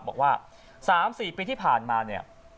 บอกว่า๓๔ปีที่ผ่านมาเนี่ย